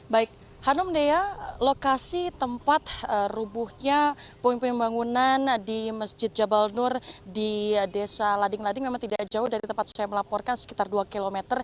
baik hanum dea lokasi tempat rubuhnya puing puing bangunan di masjid jabal nur di desa lading lading memang tidak jauh dari tempat saya melaporkan sekitar dua km